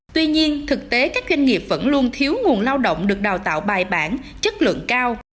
tuy nhiên thực tế các doanh nghiệp vẫn luôn thiếu nguồn lao động được đào tạo bài bản chất lượng cao